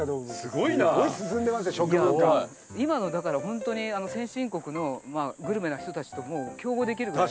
今のだから本当に先進国のグルメな人たちとも競合できるぐらい。